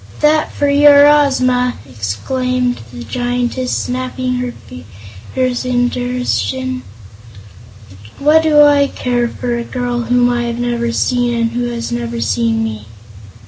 "That for your Ozma!" exclaimed the Giantess, snapping her fingers in derision. "What do I care for a girl whom I have never seen and who has never seen me?"